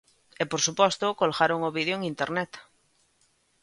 E por suposto colgaron o vídeo en Internet.